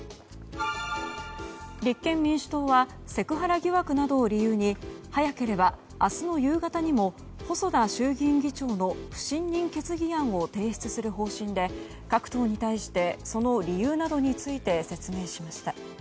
立憲民主党はセクハラ疑惑などを理由に早ければ明日の夕方にも細田衆議院議長の不信任決議案を提出する方針で各党に対してその理由などについて説明しました。